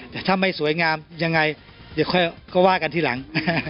แต่ถ้าไม่สวยงามยังไงเดี๋ยวค่อยก็ว่ากันทีหลัง